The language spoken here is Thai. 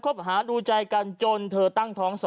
กลับสู่พิวเจอสมอง